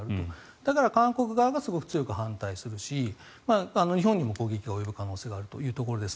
だから韓国側がすごく強く反対するし日本にも攻撃が及ぶ可能性があるということです。